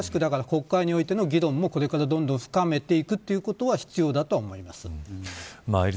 まさしく国会においての議論もこれからどんどん深めていくということは必要だと思います。